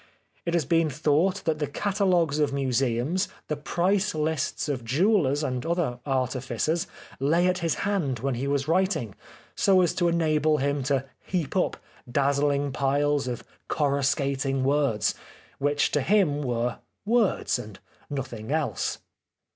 It has been thought that the catalogues of Museums, the price lists of jewellers and other artificers lay at his hand when he was WTiting, so as to enable him to heap up dazzling piles of coruscating words, which to him were words and nothing else.